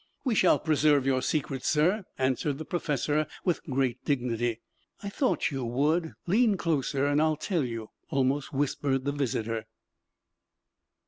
"We shall preserve your secret, sir," answered the professor with great dignity. "I thought you would. Lean closer and I'll tell you," almost whispered the visitor.